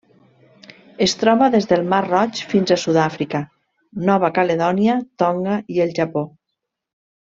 Es troba des del mar Roig fins a Sud-àfrica, Nova Caledònia, Tonga i el Japó.